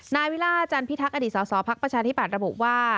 นายวิลาจันทร์พิทักษ์อดีตสอพักประชาธิบัติระบุว่า